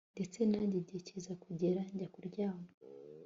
ndetse nanjye igihe kiza kugera njya kuryama